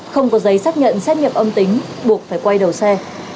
không có giấy xác nhận xét nghiệm âm tính buộc phải quay đầu xe